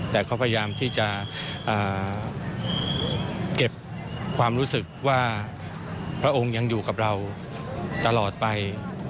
แต่เขาพยายามที่จะเก็บความรู้สึกว่าพระองค์ยังอยู่กับเราตลอดไป